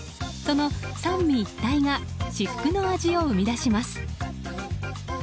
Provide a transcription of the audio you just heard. その三位一体が至福の味を生み出します。